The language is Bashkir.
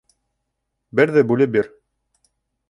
Берҙе бүлеп бир